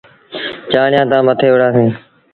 چآڙيآن تآن مٿي وُهڙآ سيٚݩ۔